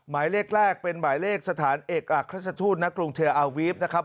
หมายเลขแรกเป็นหมายเลขสถานเอกอักราชทูตณกรุงเทลอาวีฟนะครับ